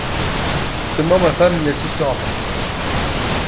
Seulement ma femme n'y assistera pas …